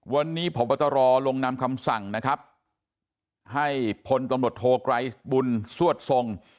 วันนี้พบตรลงนำคำสั่งนะครับให้พลตำรวจโทไกรบุญสวดทรง